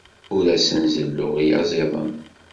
Ur asen-zelluɣ iyaziḍen.